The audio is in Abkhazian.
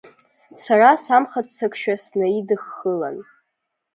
Сара самхаццакшәа снаидыххылан…